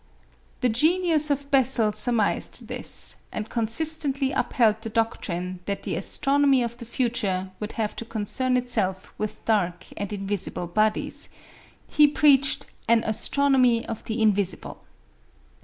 The genius of Bessel surmised this, and consistently upheld the doctrine that the astronomy of the future would have to concern itself with dark and invisible bodies; he preached "an astronomy of the invisible."